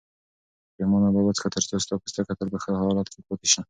پرېمانه اوبه وڅښه ترڅو ستا پوستکی تل په ښه حالت کې پاتې شي.